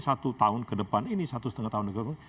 satu tahun ke depan ini satu setengah tahun ke depan